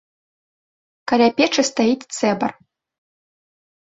Каля печы стаіць цэбар.